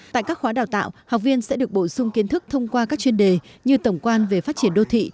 tại các khóa đào tạo học viên sẽ được bổ sung kiến thức thông qua các chuyên đề như tổng quan về phát triển đô thị